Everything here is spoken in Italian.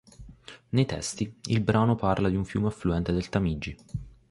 Nei testi, il brano parla di un fiume affluente del Tamigi.